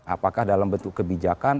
apakah dalam bentuk kebijakan